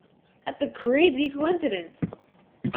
That's a crazy coincidence!